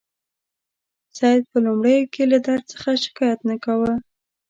سید په لومړیو کې له درد څخه شکایت نه کاوه.